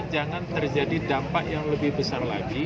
jangan terjadi dampak yang lebih besar lagi